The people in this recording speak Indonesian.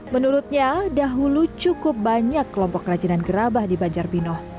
menurutnya dahulu cukup banyak kelompok kerajinan gerabah di banjarbino